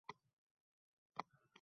U senga qanday munosabatda